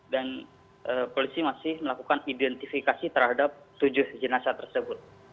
dan polisi masih melakukan identifikasi terhadap tujuh jenazah tersebut